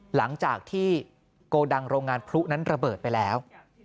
หลังจากที่โกดังโรงงานพลุนั้นระเบิดไปแล้ว